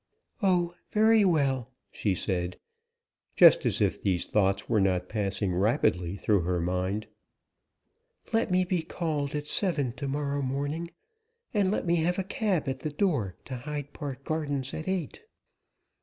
"Oh, very well," she said, just as if these thoughts were not passing rapidly through her mind. "Let me be called at seven to morrow morning, and let me have a cab at the door to Hyde Park Gardens at eight."